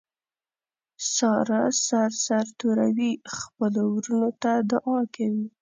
ساره سر سرتوروي خپلو ورڼو ته دعاکوي.